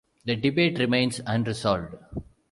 The debate remains unresolved.